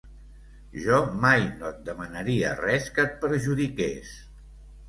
Jo mai no et demanaria res que et perjudiqués.